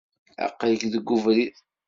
Aql-ik deg webrid.